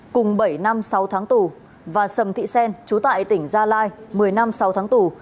cùng bảy năm sáu tháng tù và sầm thị xen chú tại tỉnh gia lai một mươi năm sáu tháng tù